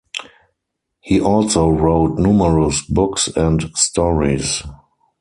He also wrote numerous books, and stories.